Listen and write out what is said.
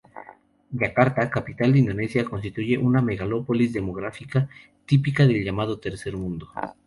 Yakarta, capital de Indonesia constituye una "megalópolis demográfica" típica del llamado Tercer Mundo.